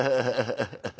ハハハ。